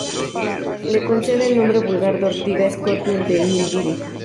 Le concede el nombre vulgar de Ortiga Escorpión de Nilgiri.